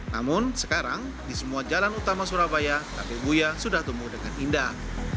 namun sekarang di semua jalan utama surabaya tape buya sudah tumbuh dengan indah